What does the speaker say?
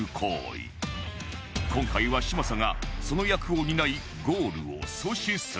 今回は嶋佐がその役を担いゴールを阻止する